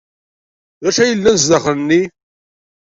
D acu ay yellan sdaxel-nni?